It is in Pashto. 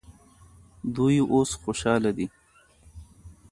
دوی اوس خوشحاله دي.